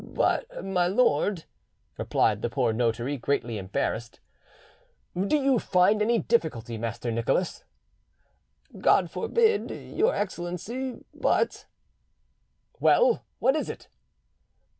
"But, my lord—" replied the poor notary, greatly embarrassed. "Do you find any difficulty, Master Nicholas?" "God forbid, your Excellency, but—" "Well, what is it?"